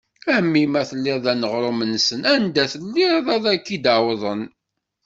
A mmi ma telliḍ d aneɣrum-nsen, anda telliḍ ad ak-id-awḍen.